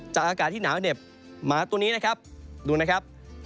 อากาศที่หนาวเหน็บหมาตัวนี้นะครับดูนะครับ